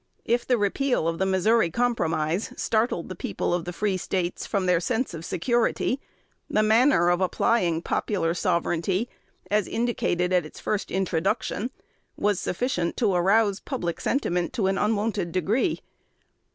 If the repeal of the Missouri Compromise startled the people of the Free States from their sense of security, the manner of applying "popular sovereignty," as indicated at its first introduction, was sufficient to arouse public sentiment to an unwonted degree.